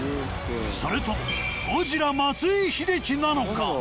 それともゴジラ松井秀喜なのか？